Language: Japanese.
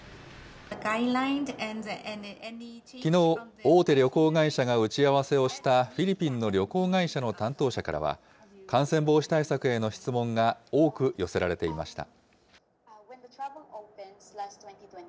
きのう、大手旅行会社が打ち合わせをしたフィリピンの旅行会社の担当者からは、感染防止対策への質問が多く寄せられていました。